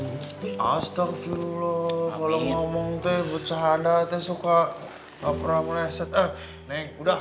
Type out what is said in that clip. astagfirullah walau ngomong teh bucah anda teh suka ngapain setelah udah